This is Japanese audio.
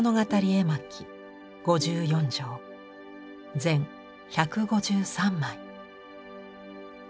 全１５３枚。